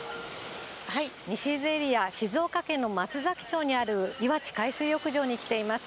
西伊豆エリア、静岡県の松崎町にある岩地海水浴場に来ています。